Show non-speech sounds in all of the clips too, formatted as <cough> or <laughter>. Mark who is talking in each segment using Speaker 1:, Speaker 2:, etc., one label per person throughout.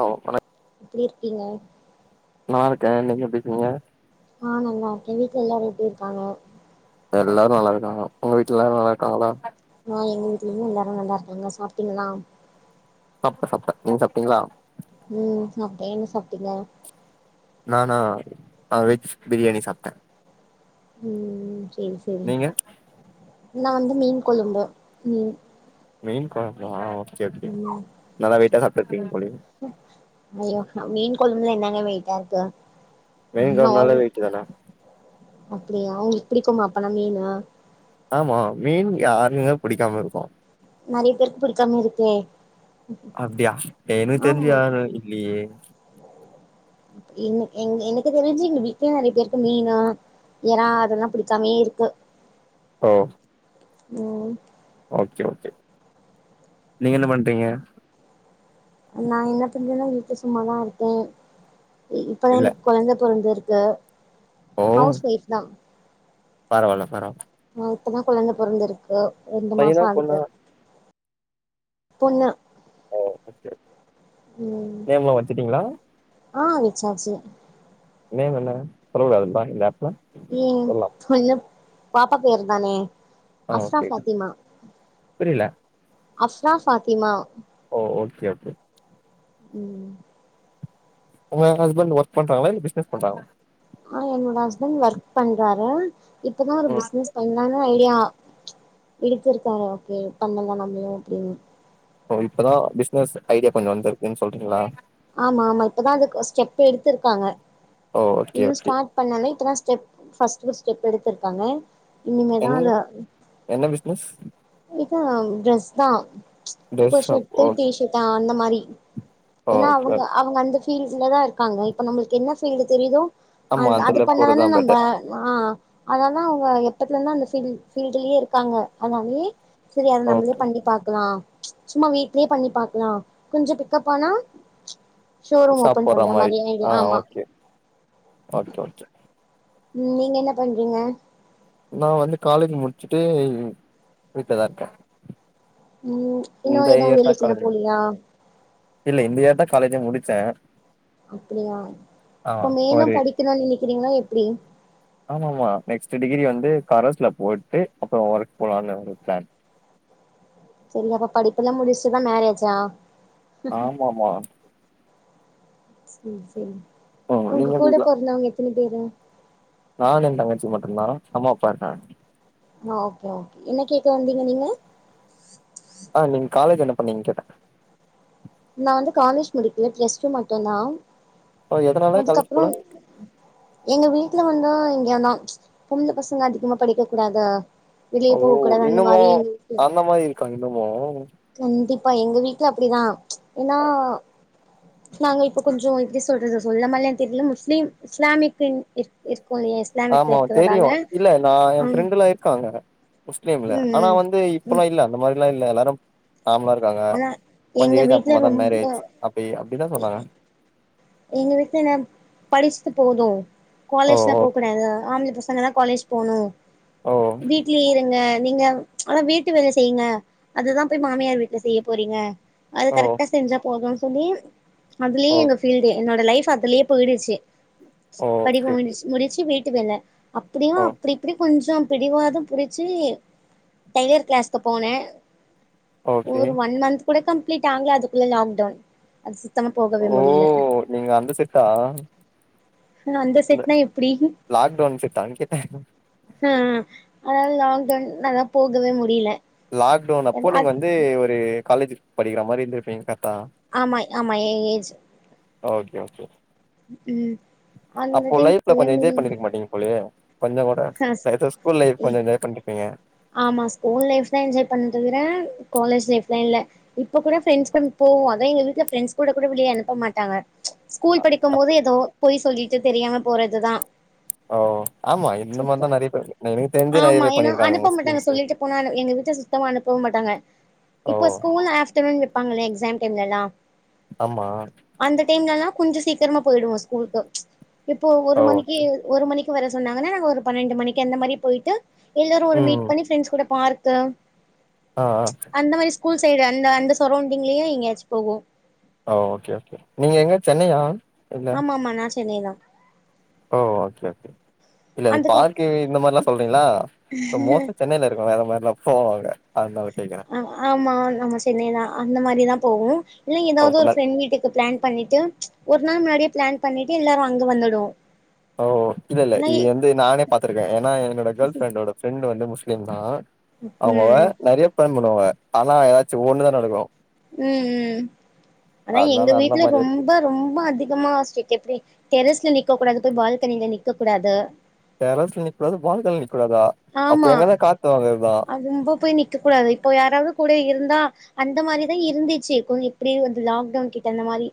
Speaker 1: ஓ வணக்
Speaker 2: எப்டி இருக்கீங்க
Speaker 1: நல்லாருக்கேன் நீங்க எப்டி இருக்கீங்க
Speaker 2: நா நல்லாருக்கேன் வீட்ல எல்லாரும் எப்டி இருக்காங்க
Speaker 1: எல்லாரு நல்லாருக்காங்க ஒங்க வீட்ல எல்லாரு நல்லாருக்காங்ளா
Speaker 2: ஆ எங்க வீட்லயு எல்லாரு நல்லாருக்காங்க சாப்டீங்ளா
Speaker 1: சாப்டே சாப்டே நீங்க சாப்டீங்ளா
Speaker 2: ம் அப்டியே என்ன சாப்டீங்க
Speaker 1: நானா நா வெஜ் பிரியாணி சாப்டேன்
Speaker 2: ம் ம் சேரி சரி நா வந்து மீன் கொழும்பு மீன்
Speaker 1: மீன் கொழம்பா கே ஓகே நல்ல வெயிட்டா சாப் கட்டிங் பண்ணி
Speaker 2: ஐயோ மீன் கொழும்புல என்னாங்க வெயிட்டா இருக்கு
Speaker 1: மீன்
Speaker 2: நா
Speaker 1: கொழம்புனாலே
Speaker 2: ஒரு
Speaker 1: வெயிட்டு தான
Speaker 2: அப்டியா உங்களுக் புடிக்கும்மா அப்பனா மீனு
Speaker 1: ஆமா மீன் யாருக்குமே புடிக்காம இருக்கும்
Speaker 2: நெறைய பேருக்கு புடிக்காம இருக்கே
Speaker 1: அப்டியா எனக்கு தெரிஞ்சு
Speaker 2: ஆமா
Speaker 1: யாரு இல்லையே
Speaker 2: என்னு எங் ஏ எனக்கு தெரிஞ்சு எங்க வீட்ல நிறைய பேருக்கு மீனு இறா அதெல்லா புடிக்காமே இருக்கு
Speaker 1: ஓ
Speaker 2: ம்
Speaker 1: ஓகே ஓகே நீங்க என்ன பண்றீங்க
Speaker 2: நா என்ன பண்றேன்னா வீட்ல சும்மாதான் இருக்கேன் இப்பதான்
Speaker 1: இல்ல
Speaker 2: எனக்கு கொழந்தை பொறந்துருக் நா ஹவுஸ் ஒய்ஃப் தான்
Speaker 1: பரவால பரவால
Speaker 2: இப்போ தா கொழந்த பொறந்து இருக்கு ரெண்டு
Speaker 1: பையனா
Speaker 2: மாசம் ஆகுத
Speaker 1: பொண்ணா
Speaker 2: பொண்ணு
Speaker 1: <unintelligible>
Speaker 2: ம்
Speaker 1: நேம்லா வச்சிட்டீங்களா
Speaker 2: ஆ விச்சாச்சி
Speaker 1: நேம் என்ன சொல்ல கூடாதுன்னு பாக்குறீங்களா இப்ப
Speaker 2: ம் சொல்ல பாப்பா பேருதானே
Speaker 1: ஆ ஓகே புரில
Speaker 2: அஃப்ரா ஃபாத்திமா
Speaker 1: ஓகே அப்
Speaker 2: ம்
Speaker 1: உங்க ஹஸ்பண்ட் ஒர்க் பண்றாங்களா இல்ல பிசினஸ் பண்றாங்க
Speaker 2: ஆ என்னோட ஹஸ்பண்ட் ஒர்க் பண்றாரு இப்பதா ஒரு
Speaker 1: ம்
Speaker 2: பிசினஸ் பண்ணலானு ஐடியா இத்துருக்காரு ஓகே பண்ணல நம்மளு அப்படின்னு
Speaker 1: ஓ இப்பதா பிசினஸ் ஐடியா கொஞ்சோ வந்துருக்குன்னு சொல்றீங்களா
Speaker 2: ஆமா ஆமா இப்பதா அது ஸ்டெப்புஎடுத்திருக்காங்க
Speaker 1: ஓ ஓகே
Speaker 2: இன்னு
Speaker 1: ஓகே
Speaker 2: ஸ்டர்ட்டுபண்ணால இப்பதா ஸ்டெப் ஃபர்ஸ்டு ஸ்டெப் எடுத்திருக்காங்க இனிமேதா
Speaker 1: எனி
Speaker 2: அத
Speaker 1: என்ன பிசினஸ்
Speaker 2: தா ட்ரெஸ் தா இப்போ
Speaker 1: dress shop
Speaker 2: shirt T
Speaker 1: okay
Speaker 2: செஷர்ட்டு அந்த மாரி <inaudible> ஏன்னா
Speaker 1: ஓகே
Speaker 2: அவங்க
Speaker 1: ஓகே
Speaker 2: அவங்க அந்த ஃபீல்ஸ்ல தா இருக்காங்க இப்ப நம்மளுக்கு என்ன ஃபீல்டு தெரியுதோ அ
Speaker 1: ஆமா
Speaker 2: அது
Speaker 1: அதுல
Speaker 2: பண்ணாதானே
Speaker 1: போறதுதா
Speaker 2: நம்ம
Speaker 1: பெட்டர்
Speaker 2: ஆ அதலா தா அவங்க எப்பத்துலந்தா அந்த ஃபீல்டலயே இருக்காங்க அதனாலே சரி அது நம்லே
Speaker 1: ஓகே
Speaker 2: பண்ணி பார்கலா சும்மா வீட்லயே பண்ணி பாக்கலா கொஞ்சம் பிக்கப் ஆனா ஷோரூம் ஓபன்
Speaker 1: சாப்படுற
Speaker 2: பண்ற
Speaker 1: மாரி
Speaker 2: ஐடியா
Speaker 1: ஆ
Speaker 2: ஆமா
Speaker 1: ஓகே ஓகே ஓகே
Speaker 2: ம் நீங்க என்ன பண்றீங்க
Speaker 1: நா வந்து காலேஜ் முடிச்சுட்டு வீட்லதா இருக்கே
Speaker 2: ம் இன்னு
Speaker 1: இந்த
Speaker 2: ஏதோ
Speaker 1: இயர் தா
Speaker 2: வேலைக்குஎல்லா
Speaker 1: காலேஜ் முடி
Speaker 2: போலாயா
Speaker 1: இல்ல இந்த இயர் தா காலேஜு முடிச்சே
Speaker 2: அப்படியா
Speaker 1: ஆ
Speaker 2: இப்ப மேலும் படிக்கணு நீ இப்படினா எப்படி
Speaker 1: ஆமமா நெக்ஸ்டு டிகிரி வந்து கரஸ்சுல போட்டு அப்புறோ ஒர்க் போலானு ஒரு பிளான்
Speaker 2: சேரியங்க அப்ப படிப்பு எல்லா முடிச்சிதா மேரேஜா
Speaker 1: ஆமா ஆமா
Speaker 2: சேரி சேரி
Speaker 1: ம்
Speaker 2: உங்க
Speaker 1: நீங்க எப்டி
Speaker 2: கூட பொறந்தாவங்க எத்தன அதேதா
Speaker 1: நானு எ தங்கச்சி மட்டும்தா அம்மா அப்பா இருக்காங்க
Speaker 2: ஆ ஓகே ஓகே என்ன கேட்டுவந்தீங்க நீங்க
Speaker 1: ஆ நீங்க காலேஜ் என்ன பண்ணிங் கேட்ட
Speaker 2: நா வந்து காலேஜ் முடிக்கல பிளஸ்டுமட்டும்தா
Speaker 1: ஓ எதனால
Speaker 2: அதுக்
Speaker 1: காலேஜ்
Speaker 2: அப்புறோ
Speaker 1: போல
Speaker 2: எங்க வீட்டுல வந்து என்னா பொம்பளபசங்க அதிகமா படிக்க கூடாது வெளிய
Speaker 1: ஓ
Speaker 2: போக கூடாது அந்த
Speaker 1: இன்னுமு
Speaker 2: மாரி எங்க வீட்ல
Speaker 1: அந்த மாரி இருக்கா இன்னுமு
Speaker 2: கண்டிப்பா எங்க வீட்டுல அப்படிதா ஏனா நாங்க இப்ப கொஞ்சோ இப்படி சொல்றது சொல்லமா இல்லயா தெர்ல முஸ்லீம் இஸ்லாமக்கு இர் இர்
Speaker 1: ஆமா தெரியு இல்ல நா என்
Speaker 2: ம்
Speaker 1: ஃப்ரெண்டு எல்லா இருக்காங்க முஸ்லீம்ல
Speaker 2: ம்
Speaker 1: ஆனா
Speaker 2: ம்
Speaker 1: வந்து இப்பல்லா இல்ல அந்த மாரி அப்படிலா இல்ல எல்லாரும் நார்மலா இருக்காங்க
Speaker 2: ஆனா எங்க
Speaker 1: கொஞ்சோ ஏஜ்
Speaker 2: வீட்ல
Speaker 1: அப்பம தா
Speaker 2: ரொம்ப
Speaker 1: மேரேஜ் அப்பயே இப்படிதா சொல்லாங்க
Speaker 2: எங்க வீட்டு என்ன படிச்சுட்டு போது
Speaker 1: ஓ
Speaker 2: காலேஜ்ல போகூடாத ஆம்ள பசங்க தா காலேஜ் போணு
Speaker 1: ஓ ஓ
Speaker 2: வீட்லயே இருங்க நீங்க ஆனா வீட்டு வேல செய்யுங்க அதுதா போய் மாமியார் வீட்டுல செய்ய போறீங்க அது
Speaker 1: ஓ
Speaker 2: கரெக்டா செஞ்சா போதும் சொல்லி அதுலயே
Speaker 1: ஓ
Speaker 2: எங்க ஃப் என்னோட லைஃப் அதுலயே போயிடுச்சு
Speaker 1: ஓ
Speaker 2: படிப்ப
Speaker 1: ஓகே ஓகே
Speaker 2: முடிச் முடிச்சு வீட் ட்டிவேல அப்டியு
Speaker 1: ஓ
Speaker 2: அப்டி இப்டி கொஞ்சோ பிடிவாதோ பிடிச்சு டெய்லர் கிளாஸ்கு போனே
Speaker 1: ஓகே
Speaker 2: ஒரு ஒன் மந்த் கூட கம்ப்ளீட் ஆகலா அதுக்குள்ள லாக்டவுன் <unintelligible> த்தமா போவே முடியல
Speaker 1: ஓ நீங்க அந்த செட் ஆ
Speaker 2: ஆ அந்த செட்னா எப்படி
Speaker 1: லாக்டவுன் செட்டான்னு கேட்டே
Speaker 2: ஆ ஆ அதனாது லாக்டவுன் நாதா போகவே முடியல
Speaker 1: லாக்டவுன் அப்போ நீங்க வந்து ஒரு காலேஜ்ல படிக்கிற மாரி இருந்துருபிங்க
Speaker 2: ஆமா ஆமா ஏ ஏஜ்
Speaker 1: ஓகே ஓகே
Speaker 2: ம் அந்த
Speaker 1: அப்போ லைஃப்ல கொஞ்ச என்ஜாய் பண்ணிருக்க மாட்டீங்க போலயே கொஞ்சோ கூட
Speaker 2: ஹஸ்
Speaker 1: ஏதோ ஸ்கூல் லைஃப்
Speaker 2: ஏ
Speaker 1: கொஞ்சோ என்ஜாய் பண்ணிருப்பீங்க
Speaker 2: ஆமா ஸ்கூல் லைஃப் தா என்ஜாய் பண்ணே தவிர காலேஜ் லைஃப் லா இல்ல இப்போ கூட ஃப்ரெண்ட்ஸ் கூட போவோ அதா எங்க வீட்ல ப்ரெண்ட்ஸ் கூட வெளிய அனுப்ப மாட்டாங்க
Speaker 1: அ
Speaker 2: ஸ்கூல் படிக்கும்
Speaker 1: அப்ப
Speaker 2: போது ஏதோ பொய் சொல்லிட் ட்டு தெரியாம போறதுதா
Speaker 1: ஓ ஆமா இந்த மாரிதா நிறைய பே <unintelligible>
Speaker 2: ஆமா ஏன்னா அனுப்ப மாட்டாங்க சொல்லிட்டு போனாலு எங்க வீட்ல சுத்தமா அனுப்ப மாட்டாங்க
Speaker 1: ஓ
Speaker 2: இப்ப ஸ்கூல் ஆஃப்டர் வே உ நிப்பாங்களே எக்ஸாம் டைம்லலா
Speaker 1: ஆமா
Speaker 2: அந்த டைம்லலா கொஞ்ச சீக்கிரமா போயிடுவோ ஸ்கூலுக்கு இப்போ
Speaker 1: ஓ
Speaker 2: ஒரு மணிக்கு
Speaker 1: ஓகே
Speaker 2: ஒரு மணிக் வர சொன்னாங்கன்னா நாங்க ஒரு பன்னெண்டு மணிக்கு அந்த மாரி போயட்டு எல்லாரும் ஒரு மீட்
Speaker 1: ம்
Speaker 2: பண்ணிஃப்ரெண்ட் கூட பார்க்கு தான்
Speaker 1: ஆ ஆ
Speaker 2: அந்த மாதிரி ஸ்கூல் சைடு அந்த அந்த சரௌண்டிங்லயும் எங்கயாச்சும் போவோம்
Speaker 1: ஓ ஓகே ஓகே கே நீங்க எங்க சென்னையா இல்ல
Speaker 2: ஆமா ஆமா நா சென்னைதான்
Speaker 1: ஓ ஓகே ஓகே இல்ல
Speaker 2: அதுக்கப்
Speaker 1: பார்கு இந்த மாதிரிலல்லாம் சொல்றீங்களா மோஸ்ட்டா சென்னையில இருக்க வேற மாதிரிலாம் போங்க அதுல
Speaker 2: ஆ ஆமா நம்ம சென்னைதான் அந்த மாதிரிதான் போவோம் இல்லை
Speaker 1: ஓ
Speaker 2: ஏதாவது ஒரு
Speaker 1: நெறைய
Speaker 2: ஃப்ரெண்ட் வீட்டுக்கு பிளான் பண்ணிட்டு ஒரு நாள் முன்னாடியே பிளான் பண்ணிட்டு எல்லாரும் அங்க வந்துடுவோம்
Speaker 1: ஓ இல்லல்ல இது வந்து நானே பாத்துருக்கேன் ஏன்னா என்னோட கேர்ள் ஃப்ரெண்ட் ஃப்ரெண்டோட வந்து சேம் தான் அவங்க
Speaker 2: ம்
Speaker 1: நிறைய பண்ணுவாங்க ஆனா ஏதாச்சும் ஒண்ணுதான் நடக்கும்
Speaker 2: உம் உம் ஆனா
Speaker 1: அதனால
Speaker 2: எங்க
Speaker 1: அந்த
Speaker 2: வீட்டுல
Speaker 1: மாரி இருக்கு
Speaker 2: ரொம்ப ரொம்ப அதிகமா ஸ்டிரிக்ட் இருக்கு எப்படி டெரஸ்ல நிக்க நிற்கக்க கூடாது போய் பால்கனில நிற்க கூடாது
Speaker 1: டெரஸ்ல நிற்க கூடாது பால்கனிக்கக் கூடாதா அப்ப
Speaker 2: ஆமா
Speaker 1: எங்கதா காத்து வாங்குறதா
Speaker 2: ரொம்ப போய் நிக்க கூடாது இப்போ யாராவது கூட இருந்தா அந்த மாதிரிதான் இருந்துச்சு இருக்கும் எப்படி வந்து லாக்டவுன் கிட்ட இந்த மாதிரி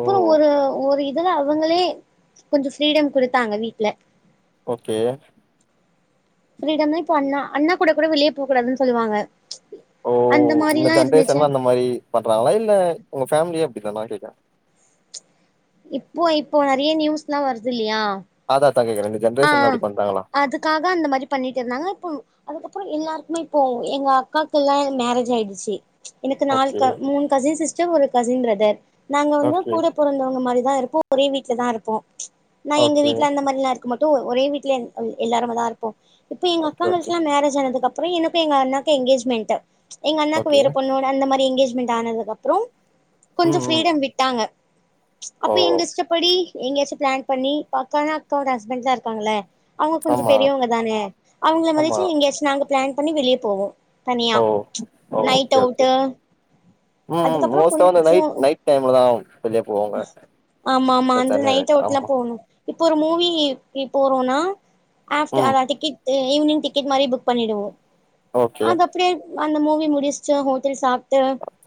Speaker 1: ஓ
Speaker 2: ஒரு ஒரு இல்ல அவங்களே கொஞ்சம் ஃபிரீடம் கொடுத்தாங்க வீட்டு்ல
Speaker 1: ஓகே
Speaker 2: ஃபிரீடம் தா இப்போ அண்ணா அண்ணா கூட கூட வெளியே போகூடாதுன்னு சொல்லுவாங்க
Speaker 1: ஓ
Speaker 2: அந்த
Speaker 1: இந்த
Speaker 2: மாரிலா இருந்துச்சு
Speaker 1: ஜென்ரேஷன்லா அந்த மாதிரி பண்றாங்களா இல்ல உங்க ஃபேமிலியே இந்த மாதிரி தான்
Speaker 2: இப்போ இப்போ நிறைய நியூஸ் லாம் வருது இல்லையா
Speaker 1: அதா அதா கேக்குறே இந்த ஜென்ரேஷன்ல
Speaker 2: ஆஹ்
Speaker 1: அப்டி பண்றாங்களா
Speaker 2: அதுக்காக அந்த மாதிரி பண்ணிட்டு இருந்தாங்க இப்போ அதுக்கப்புறம் எல்லாருக்குமே இப்போ எங்க அக்காக்கு எல்லா மேரேஜ் ஆயிடுச்சு எனக்கு நாலு
Speaker 1: ஓகே
Speaker 2: க மூனு கசின் சிஸ் சிஸ்டர் ஒரு கசின் பிரதர் நாங்க வந்து
Speaker 1: ஓகே
Speaker 2: கூட பொறந்த மாரிதா இருக்கு ஒரே வீட்ல தா இருப்போ நா எங்க
Speaker 1: ஓகே
Speaker 2: வீட்ல அந்த மாரி எல்லா இருக்கமாட்டே ஒரே வீட்லே எல்லாருமே தா இருப்போ இப்ப எங்க
Speaker 1: ஓகே ஓகே
Speaker 2: அக்காங்களுக்குலா மேரேஜ் ஆனதுக்கப் அப்றோ எனக்கு எங்க அண்ணாக்கு எங்கேஜ்மெண்ட் எங்க அண்ணாக்கு
Speaker 1: ஓகே
Speaker 2: வேற பொண்ணோட அந்த மாரி எங்கேஜ் மெண்ட் ஆனதுக்கப்றோ கொஞ்சம்
Speaker 1: ம் ம்
Speaker 2: ஃப்ரீடம் விட்டாங்க அப்ப
Speaker 1: ஓ
Speaker 2: எங்க இஷ்டப்படி எங்கயாச்சு பிளான் பண்ணி பசங்க அக்காவோட ஹஸ்பண்ட் தா இருக்காங்ள அவுங்க கொஞ்சோ
Speaker 1: ஆமா
Speaker 2: பெரியவங்க தானே அவங்கள
Speaker 1: ஆமா
Speaker 2: மதிச்சு எங்கயாச்சு நாங்க பிளான் பண்ணி வெளிய போவோ தனியா
Speaker 1: ஓ
Speaker 2: நைட்
Speaker 1: ஓகே ஓகே
Speaker 2: அவுட்டு
Speaker 1: ம் ம்
Speaker 2: அதுக்கப்றோ
Speaker 1: மோஸ்தா வந்து
Speaker 2: கொஞ்சோ
Speaker 1: நைட் நைட் டைம்ல தா வெளிய போவோ
Speaker 2: ஆமா ஆமா அந்த நைட்
Speaker 1: ஆமா
Speaker 2: அவுட்ல்லா போணு இப்ப ஒரு மூவிக்கு போறோனா
Speaker 1: ம்
Speaker 2: <unintelligible> ஈவினிங் டிக்கெட் மாரி புக் பண்ணிடுவோ
Speaker 1: ஓகே
Speaker 2: அது அப்டியே அந்த மூவி முடிச்சுட்டு ஹோட்டல் சாப்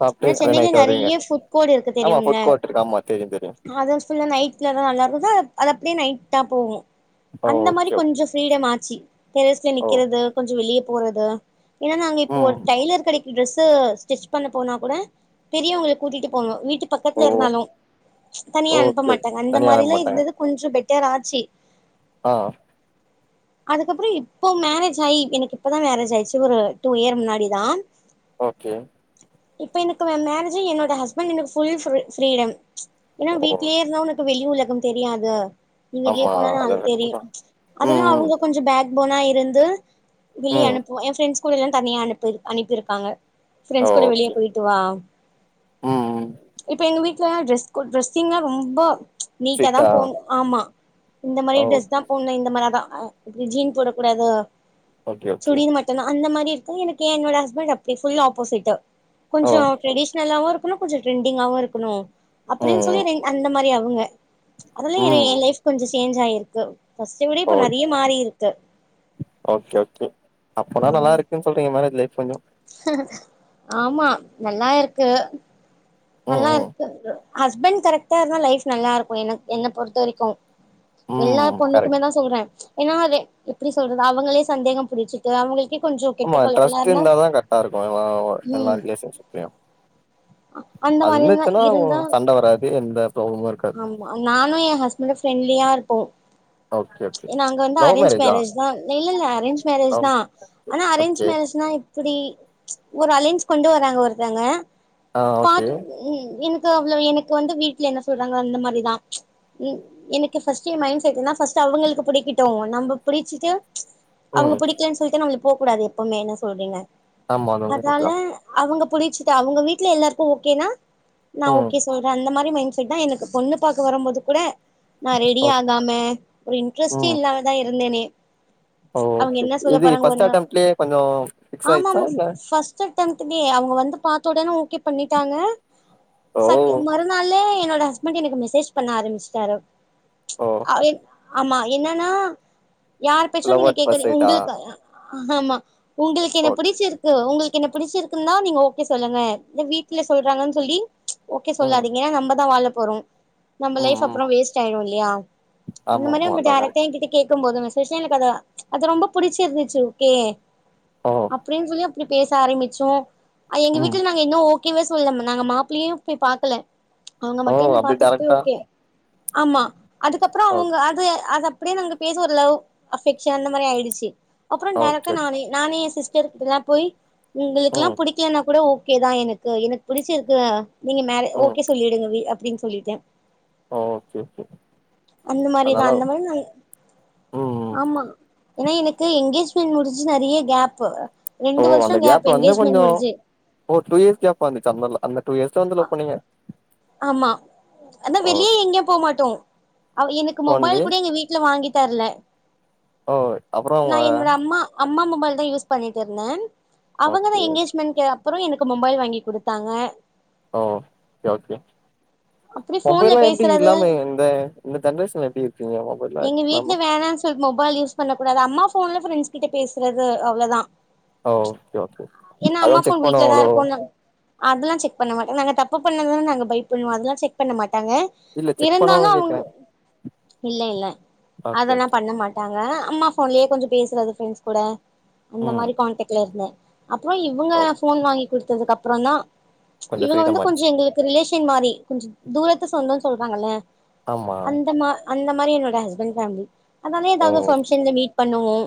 Speaker 1: சாப்ட்டு அதே
Speaker 2: சென்னையில
Speaker 1: நைட் வருவீங்க
Speaker 2: நெறய ஃபுட் கோர்ட் இருக்கு
Speaker 1: ஆமா
Speaker 2: தெரியும்ல
Speaker 1: ஃபுட் கோர்ட் இருக்கு ஆமா தெரியு தெரியு
Speaker 2: ஆ அத ஃபுல்லா நைட்லாதா நல்லா இருக்குதா அது அப்டியே நைட் தா போவோ
Speaker 1: ஓ
Speaker 2: அந்த மாதிரி
Speaker 1: ஓகே ஓகே
Speaker 2: கொஞ்சோ ஃப்ரீடம் ஆச்சு டெரஸ்ல
Speaker 1: ஓ
Speaker 2: நிக்குறது கொஞ்சோ வெளிய போறது ஏன்னா நாங்க இப்போ
Speaker 1: ம்
Speaker 2: ஒரு டெய்லர் கடைக்கு டிரெஸ் ஸ்டிச் பண்ண போனா கூட பெரியவங்கள கூட்டிட்டு போங்க வீட் டு
Speaker 1: ஓ
Speaker 2: பக்கத்துல இருந்தாலும் தனியா
Speaker 1: ஓகே
Speaker 2: அனுப்ப
Speaker 1: ஓகே
Speaker 2: மாட்டாங்க அந்த
Speaker 1: தனியா அலோ
Speaker 2: மாரில்லாம்
Speaker 1: மாட்டாங்க
Speaker 2: இருந்தது கொஞ்சோம் பெட்டராச்சி
Speaker 1: ஆ
Speaker 2: அதுக்கப்றோ இப்போ மேரேஜ் ஆயி எனக்கு இப்பதான் மேரேஜ் ஆயிடுச்சு ஒரு டூ இயர் முன்னாடிதான்
Speaker 1: ஓகே
Speaker 2: இப்ப எனக்கு மேரேஜாயி என்னோட ஹஸ்பெண்ட் எனக்கு ஃபுல் பிரீடம் ஏன்னா
Speaker 1: ஓ
Speaker 2: வீட்லய இருந்தா உனக்கு வெய் வெளி உலகம் தெரியாது நீ வெளிய
Speaker 1: ஆமா
Speaker 2: போனா தான்
Speaker 1: அது
Speaker 2: நாளு
Speaker 1: கரெக்ட்டு
Speaker 2: தெரியும்
Speaker 1: தா
Speaker 2: அதுல்லா
Speaker 1: ம்
Speaker 2: அவுங்க கொஞ்ச பேக் போனா இருந்து வெளிய
Speaker 1: ம்
Speaker 2: அனுப்புவா என் ஃப்ரண்ட்ஸ் ஸ்கூல் எல்லா தனியா அனுப்பி அனுப்பிருக்காங்க
Speaker 1: ஓ
Speaker 2: ஃபிரண்ட்ஸ் கூட வெளிய
Speaker 1: ஓகே
Speaker 2: போயிட்டு வா
Speaker 1: ம் ம்
Speaker 2: இப்ப எங்க வீட் சிலா டிரஸ் ட்ரெஸ்ஸிங்கா ரொம்ப நீட்ட
Speaker 1: ஸ்ட்ரிட்டா
Speaker 2: தான் போணு ஆமா இந்த மாரி
Speaker 1: ஓ
Speaker 2: ட்ரெஸ் தான் போன்னு இந்த மாரி அதான் அ இப்டி ஜீன் போட கூடாது
Speaker 1: ஓகே ஓகே
Speaker 2: சுடின் மட்டுந்தான் அந்த மாரி எனக்கு என்னோட ஹஸ்பெண்ட் ஃபுல் ஆப்போசிட்டு
Speaker 1: ஓ
Speaker 2: கொஞ்சோ ட்ரெடிஷனலாவும் கொஞ்ச ட்ரெண்டிங்காகவும் இருக்கணு
Speaker 1: ம்
Speaker 2: அப்டின்னு சொல்லி
Speaker 1: ம்
Speaker 2: அந்த மாரி அவுரு உங்க அதுல்லா என்
Speaker 1: ம்
Speaker 2: ஏ லைப் கொஞ்ச சேஞ்ச் ஆயிருக்கு ஃபர்ஸ்ட்ட விட இப்ப
Speaker 1: ஓய்
Speaker 2: நெறைய மாறி இருக்கு
Speaker 1: ஓகே ஓகே அப்பனா நல்லா இருக்குன்னு சொல்றீங்க மேரேஜ் லைப் கொஞ்சோம்
Speaker 2: ஆமா நல்லா இருக்கு
Speaker 1: ம் ம்
Speaker 2: நல்லாருக்கு ஹஸ்பெண்ட் கரெக்ட்டா இருந்தா லைஃப் நல்லாருக்கும் எனக் என்னை பொறுத்த வரைக்கும் எல்லா
Speaker 1: ம் கரெக்ட்
Speaker 2: பொண்ணுக்குமே தா சொல்றே ஏன்னா அத எப்டி சொல்றது அவுங்களே சந்தேகம் புடிச்சிட்டு அவுங்களுக்கே
Speaker 1: ஆமா ட்ஸ்ட் இருந்தாத கரெக்டா இருக்கு எல்லா
Speaker 2: ம்
Speaker 1: ரிலேஷன்ஷிப்ளையு
Speaker 2: அந்த
Speaker 1: அது
Speaker 2: மாரி எல்லா
Speaker 1: இருந்துந்துச்சுன்னா
Speaker 2: இருந்தா
Speaker 1: சண்ட வராது எந்த ப்ராப்ளமு இருக்காது
Speaker 2: ஆமா நானு என் ஹஸ்பண்டு ஃப்ரெண்ட்லியா இருப்போ
Speaker 1: ஓகே ஓகே
Speaker 2: ஏ அங்க வந்து
Speaker 1: லவ்
Speaker 2: அரேஞ்ச்
Speaker 1: மேரேஜா
Speaker 2: மேரேஜ் தா இல்ல இல்ல அரேஞ்ச் மேரேஜ்
Speaker 1: லவ்
Speaker 2: தா ஆனா அரேஞ்ச்
Speaker 1: ஓகே
Speaker 2: மேரேஜ்னா எப்படி ஒரு அலைன்ஸ் கொண்டு வராங்க ஒருத்தங்க
Speaker 1: ஆ ஓகே
Speaker 2: பாத்து ம் எனக் <unintelligible> சோ அவ்வளவு எனக்கு வந்து வீட்டுல என்ன சொல்றாங்க அந்த மாதிரிதா ம் எனக்கு ஃபர்ஸ்ட மைண்ட் செட்னா ஃபர்ஸ்ட் அவங்களுக்கு பிடிக்கட்டு நம்ம பிடிச்சிட்டு அவுங்க
Speaker 1: ம்
Speaker 2: புடிக்கலன்னு சொல்லிட்ட நம்பளுக் போ கூடாது எப்பமே என்ன சொல்றீங்க
Speaker 1: ஆமா லவ் மேரேஜ்
Speaker 2: அதால
Speaker 1: தா
Speaker 2: அவுங்க புடிச்சுத அவுங்க வீட்ல எல்லாருக் கு ஓகேனா நா
Speaker 1: ம்
Speaker 2: ஓகே சொல்றே அந்த மாரி மைன் <unintelligible> எனக்கு பொண்ணு பாக்க வரும்போது கூட நா ரெடி
Speaker 1: ஓக்
Speaker 2: ஆகாம ஒரு இன்ட்ரெஸ்டே
Speaker 1: ம்
Speaker 2: இல்லாமதா இருந்தேனே
Speaker 1: ஓ
Speaker 2: அவுங்க
Speaker 1: ஓகே
Speaker 2: என்ன சொல்ல
Speaker 1: இது
Speaker 2: போறாங்க ஒரு
Speaker 1: ஃபர்ஸ்ட்
Speaker 2: நா
Speaker 1: அட்டம்ட்லயே கொஞ்சோ ஃபிக்ஸ் ஆயிடுச்சா
Speaker 2: ஆமாமா
Speaker 1: இல்ல
Speaker 2: பஸ்ட் அட்டம்டுலே அவுங்க வந்து பாத்தோடனே ஓகே பண்ணிட்டாங்க
Speaker 1: ஓ
Speaker 2: சக் மறுநாளே என் என்னோட ஹஸ்பண்ட் எனக்கு மெசேஜ் பண்ண ஆரம்பச்சிட்டாரு
Speaker 1: ஓ
Speaker 2: அவ ஆமா என்னன்னா யார் பேச்சு
Speaker 1: லவ்
Speaker 2: நீங்க
Speaker 1: அட் ஃபர்ஸ்ட்
Speaker 2: கேக்காதிங்க
Speaker 1: சைட்டா
Speaker 2: உங்களுக்கு அ அ ஆமா உங்களுக்கு என்ன
Speaker 1: ஓகே
Speaker 2: புடிச்சிருக்கு உங்களுக் கேன்ன புடிச்சிருக்குனா நீங்க ஓகே சொல்லுங்க இந்த வீட்ல சொல்றாங்கன்னு சொல்லி ஓகே
Speaker 1: ம்
Speaker 2: சொல்லாதீங்க எனா நம்ப தா வாழப் போறோ நம்ம
Speaker 1: ம்
Speaker 2: லைஃப்
Speaker 1: ம்
Speaker 2: அப்புறோ வேஸ்ட் ஆயிடு இல்லையா அந்த
Speaker 1: ஆமா
Speaker 2: மாரி
Speaker 1: ஆமா
Speaker 2: அவுங்க
Speaker 1: அதா
Speaker 2: டேரக்டா
Speaker 1: கரெக்ட்
Speaker 2: என்கிட்ட கேக் இருக்கு <unintelligible> எனக்கு அத அது ரொம்ப புடிச்சிருந்துச்சி ஓகே
Speaker 1: ஓ
Speaker 2: அப்பிடின் சொல்லி பேச ஆரம்பிச்சோ அ எங்க
Speaker 1: ம்
Speaker 2: வீட்ல நா ஓகேவே சொல்ல நாங்க மாப்பிளியு போய் பாக்கல அவுங்க
Speaker 1: ஓ
Speaker 2: மட்டு என்ன
Speaker 1: அப்டி
Speaker 2: பாத்துடு போய்
Speaker 1: டேரக்டா
Speaker 2: ஓகே ஆமா அதுகப்புறோ
Speaker 1: ஓகே
Speaker 2: அவுங்க அது அத அப்பிடியே நாங்க பேச லவ் அஃபெக்ஷன் அந்த மாரி ஆயிடிச்சி அப்புறோ டேரக்ட்டா
Speaker 1: ஓகே
Speaker 2: நானே நானே சிஸ் சிறுக்குதில்லா போய் உங்களுகுல்லா
Speaker 1: ம்
Speaker 2: புடிகலனா கூட ஓ கேதா எனக்கு எனக்கு புடிசிருக்கு நீங்க மே
Speaker 1: ம்
Speaker 2: ஓகே சொல்லிடுங்கவி அப்பிடினு சொல்லிடே
Speaker 1: ஓகே கே
Speaker 2: அந்த மாரிதா
Speaker 1: அதனால
Speaker 2: அந்த மாரி நா
Speaker 1: ம் ம்
Speaker 2: ஏனா எனக்கு எங்கேஜ்மெண்ட் முடிஞ்சி நெறைய கேப்
Speaker 1: ஓ
Speaker 2: ரெண்டு வருஷோ
Speaker 1: அந்த கேப்ல வந்து
Speaker 2: எங்கேஜ்மெண்ட்
Speaker 1: கொஞ்சோ
Speaker 2: முடிஞ்சு
Speaker 1: ஓ டு இயர்ஸ் கேபா இருந்திச்சி அந்தல அந் டூ இயர்ஸ்தா வந்து லவ் பண்ணீங்க
Speaker 2: ஆமா அதா
Speaker 1: ஓ
Speaker 2: வெளிய எங்கயோ போமாடோ அவ எனக்கு மொபைல்
Speaker 1: ஒன்லி
Speaker 2: கூட எங்க வீட்ல வாங்கி தரல
Speaker 1: ஓ அப்புறோ
Speaker 2: நா என்னோட அம்மா அம் ம்மா மொபைல் தா யூஸ் பண்ணிட்டு இருந்த அவங்கதா
Speaker 1: ஓகே
Speaker 2: எங்கேஜ்மெண்ட்க அப்புறோ எனக்கு மொபைல் வாங்கி குடுதாங்க
Speaker 1: ஓ ஓகே
Speaker 2: அப்பிடி ஃபோன்ல
Speaker 1: மொபைல்லா எப்டி
Speaker 2: பேசறது
Speaker 1: இல்லாம இந்த இந்த ஜென்ரேஷன்ல எப்டி இருக்கீங்க மொபைல்லா
Speaker 2: எங்க வீட்ல
Speaker 1: இல்லாம
Speaker 2: வேணானு சொல் மொபைல் யூஸ் பண்ணகூடாது அம்மா ஃபோன்ல ஃபிரெண்ட்ஸ் ஸ் கிட்ட பேசுறது அவ்ளோதா
Speaker 1: ஒ ஓகே ஓகே
Speaker 2: ஏன்னா
Speaker 1: அத
Speaker 2: அம்மா
Speaker 1: வந் செக்
Speaker 2: ஃபோன்
Speaker 1: பண்ணு
Speaker 2: வீட்ல தா
Speaker 1: வாங்களோ
Speaker 2: இருக்குன்னு அதெல்லா செக் பண்ண மாட்டங்க நாங்க தப்ப பண்ணதான நா ங்க பைப்பண்ணு அதெல்லா செக் பண்ண மாட் ட்டாங்க
Speaker 1: இல்ல செக்
Speaker 2: இருந்தாலு
Speaker 1: பண்ணுவாங்களான்னு
Speaker 2: அவுங்க
Speaker 1: கேக்குறே
Speaker 2: இல்ல இல்ல
Speaker 1: ஓகே
Speaker 2: அதெல்லா
Speaker 1: ஓகே
Speaker 2: பண்ணமாட்டாங்க அம்மா ஃபோன்லயே கொஞ்ச பேசுறது ஃப்ரெண்ஸ் கூட அந்த
Speaker 1: ம்
Speaker 2: மாரி கான்டெட்ல இருந்தே அப்றொ இவுங்க
Speaker 1: ஓ
Speaker 2: ஃபோன் வாங்கி குடுத்ததுக்கப் றொந்தா
Speaker 1: கொஞ்சோ
Speaker 2: இவுங்க
Speaker 1: ஃப்ரீடம்
Speaker 2: வந்து கொஞ்ச
Speaker 1: ஆச்சு
Speaker 2: எங்களுக் கு மாரி கொஞ்சொ தூரத்து சொந்தொன் சொல்றாங்கல்ல
Speaker 1: ஆமா
Speaker 2: அந்த மா அந்த மாரி என்னோட ஹஸ்பண்ட் ஃபேமிலி அன்னால
Speaker 1: ஓ
Speaker 2: எதாவ்து ஒரு பங்ஷன்ல மீட் பண்ணுவோ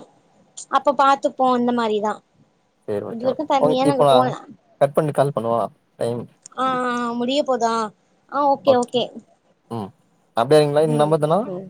Speaker 2: அப்ப பாத்துப்போ அந்த மாரிதா
Speaker 1: சேர்
Speaker 2: இது
Speaker 1: ஓகே
Speaker 2: வரைக்கு
Speaker 1: ம்
Speaker 2: தனியா நாங்க
Speaker 1: இப்ப
Speaker 2: போல
Speaker 1: கட் பண்ட்டு கால் பண்ணவா டைம் <inaudible>
Speaker 2: இப்போதா ஆ ஓகே ஓகே
Speaker 1: ம் அப்டியே அங்க லைன்
Speaker 2: ம்
Speaker 1: நம்மதுனா
Speaker 2: ம்